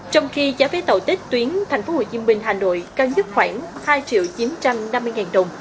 trong khi giá vé tàu tết tuyến tp hcm hà nội cao nhất khoảng hai chín trăm năm mươi đồng